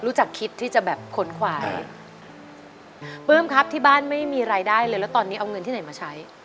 คิดที่จะแบบขนควายปลื้มครับที่บ้านไม่มีรายได้เลยแล้วตอนนี้เอาเงินที่ไหนมาใช้